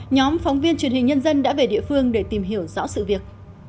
nhóm phóng viên truyền hình nhân dân đã về địa phương để tìm hiểu rõ sự việc